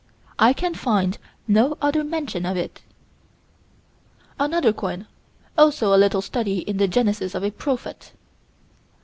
I can find no other mention of it. Another coin. Also a little study in the genesis of a prophet.